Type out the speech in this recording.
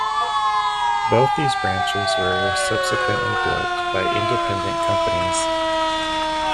Both these branches were subsequently built by independent companies.